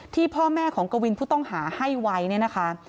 ที่พ่อแม่ของกวินผู้ต้องหาให้ไว้เนี่ยนะคะ